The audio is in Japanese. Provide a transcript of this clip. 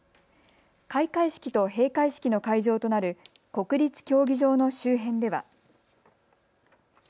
開会式と閉会式の会場となる国立競技場の周辺では。